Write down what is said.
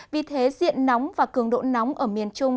vì thế diện nóng và cường độ nóng ở miền trung